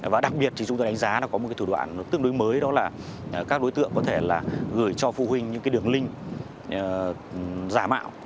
và đặc biệt thì chúng tôi đánh giá nó có một cái thủ đoạn tương đối mới đó là các đối tượng có thể là gửi cho phụ huynh những cái đường link giả mạo